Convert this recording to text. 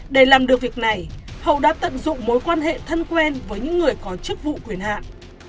để làm được việc này hậu đã tận dụng mối quan hệ thân quen với những người có chức vụ quyền hạn